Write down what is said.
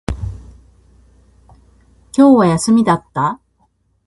今日は休みだった